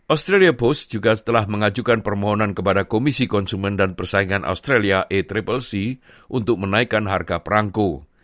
australia post juga telah mengajukan permohonan kepada komisi konsumen dan persaingan australia untuk menaikkan harga perangku